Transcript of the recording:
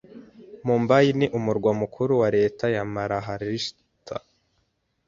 Mumbai ni umurwa mukuru wa leta ya Maharashtra.